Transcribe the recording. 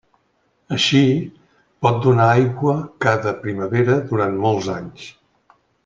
Així, pot donar aigua cada primavera durant molts anys.